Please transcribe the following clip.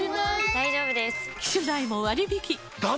大丈夫です！